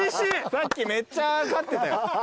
さっきめっちゃ勝ってたよ。